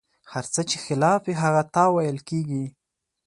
هر څه چې خلاف وي، هغه تاویل کېږي.